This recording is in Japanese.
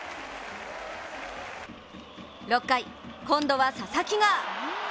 ６回、今度は佐々木が。